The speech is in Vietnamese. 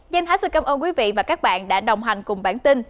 dân thái xin cảm ơn quý vị và các bạn đã đồng hành cùng bản tin